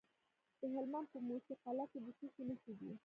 د هلمند په موسی قلعه کې د څه شي نښې دي؟